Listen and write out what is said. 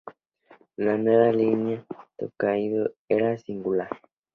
La nueva línea Tōkaidō era singular.